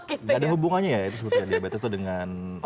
gak ada hubungannya ya itu sebutnya diabetes tuh dengan apa aja